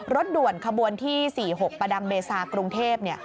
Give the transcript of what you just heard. รถด่วนขบวนที่๔๖ประดังเบซากรุงเทพ